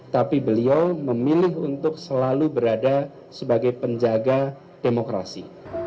tapi beliau memilih untuk selalu berada sebagai penjaga demokrasi